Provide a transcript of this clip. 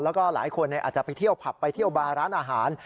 แล้วก็หลายคนอาจจะไปเที่ยวผับไปเที่ยวบาร์ร้านอาหาร